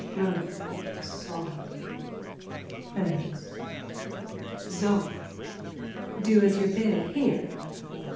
_ BLOOM: (Solemnly.) Thanks. ZOE: Do as you're bid. Here!